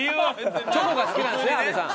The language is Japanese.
チョコが好きなんですね阿部さん。